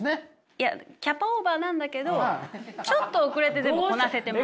いやキャパオーバーなんだけどちょっと遅れて全部こなせてます。